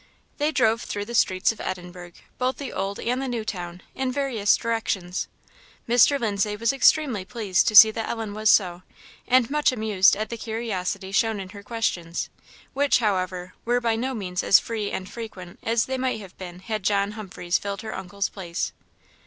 They drove through the streets of Edinburgh, both the Old and the New Town, in various directions. Mr. Lindsay was extremely pleased to see that Ellen was so, and much amused at the curiosity shown in her questions, which, however, were by no means as free and frequent as they might have been had John Humphreys filled her uncle's place.